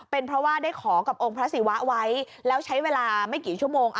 เป็นเพราะว่าได้ขอกับองค์พระศิวะไว้แล้วใช้เวลาไม่กี่ชั่วโมง